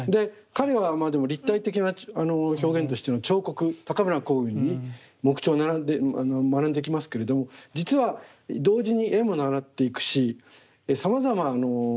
彼はまあでも立体的な表現としての彫刻高村光雲に木彫を学んできますけれども実は同時に絵も習っていくしさまざま